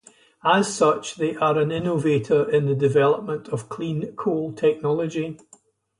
As such, they are an innovator in the development of clean coal technology.